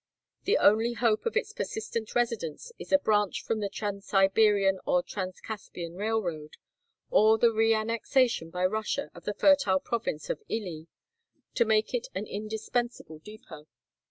The only hope of its persistent residents is a branch from the Transsiberian or Transcaspian railroad, or the reannexation by Russia of the fertile province of Hi, to make it an indispensable depot.